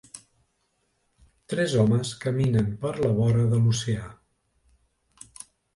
Tres homes caminen per la vora de l'oceà.